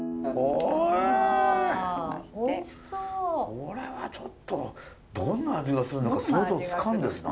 これはちょっとどんな味がするのか想像つかんですな。